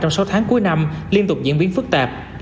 trong sáu tháng cuối năm liên tục diễn biến phức tạp